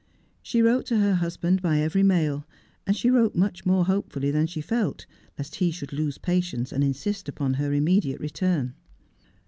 She wrote to her husband by every mail, and she wrote much more hopefully than she felt, lest he should lose patience and insist upon her immediate return.